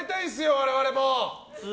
我々も。